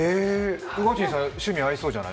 宇賀神さん、趣味合いそうじゃない？